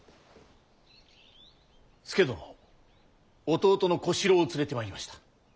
弟の小四郎を連れて参りました。